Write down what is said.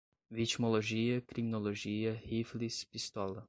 vitimologia, criminologia, rifles, pistola